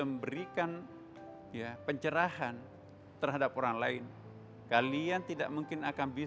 memberikan pencerahan terhadap orang lain